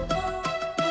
nih aku tidur